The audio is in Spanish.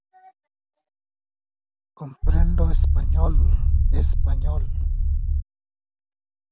Filón fue un autor muy prolífico.